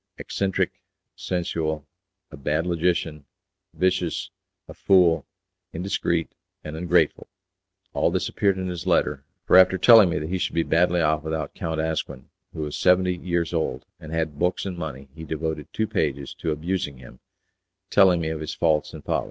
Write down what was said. Eccentric, sensual, a bad logician, vicious, a fool, indiscreet, and ungrateful, all this appeared in his letter, for after telling me that he should be badly off without Count Asquin who was seventy years old, and had books and money, he devoted two pages to abusing him, telling me of his faults and follies.